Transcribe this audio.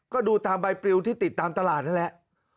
ก็ดูตามใบปริวที่ติดตามตลาดนั่นแหละ